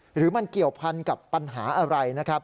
หรือมันเกี่ยวพันธ์กับปัญหาอะไร